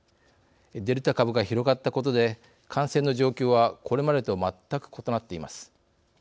デルタ株が広がったことで感染の状況はこれまでと全く異なっています。